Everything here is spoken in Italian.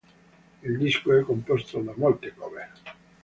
Il disco è composto da molte cover.